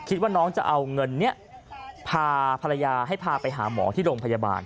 คิดว่าน้องจะเอาเงินนี้พาภรรยาให้พาไปหาหมอที่โรงพยาบาล